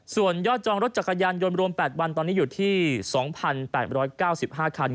ส่วนยอดจองรถจักรยานยนต์รวม๘วันตอนนี้อยู่ที่๒๘๙๕คัน